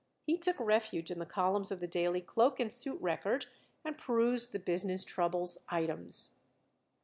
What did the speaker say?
He took refuge in the columns of the Daily Cloak and Suit Record and perused the business troubles items.